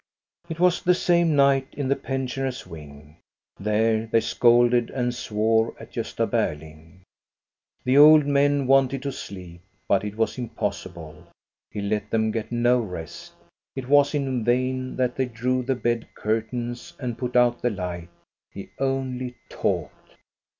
It was the same night in the pensioners' wing. There they scolded and swore at Gosta Berling. THE YOUNG COUNTESS 197 The old men wanted to sleep ; but it was impossible. He let them get no rest. It was in vain that they drew the bed curtains and put out the light. He only talked.